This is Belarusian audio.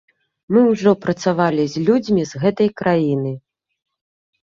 Мы ўжо працавалі з людзьмі з гэтай краіны.